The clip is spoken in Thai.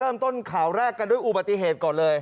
เริ่มต้นข่าวแรกกันด้วยอุบัติเหตุก่อนเลย